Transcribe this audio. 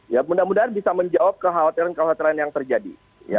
ya mudah mudahan bisa menjawab kekhawatiran kekhawatiran yang terjadi